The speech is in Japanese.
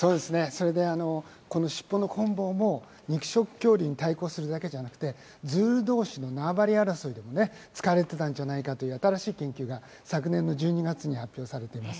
それでこの尻尾のこんぼうも、肉食恐竜に対抗するだけじゃなくて、ズールどうしの縄張り争いでも使われてたんじゃないかという、新しい研究が昨年の１２月に発表されています。